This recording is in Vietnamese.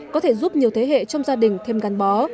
có thể giúp nhiều thế hệ trong gia đình thêm gắn bó